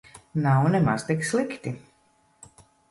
Nav nemaz tik slikti.